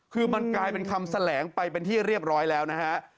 คือมันกลายเป็นคำแสลงไปเป็นที่เรียบร้อยแล้วนะฮะ